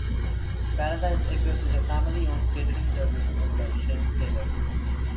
Paradise Acres is a family owned catering service owned by Shane Taylor.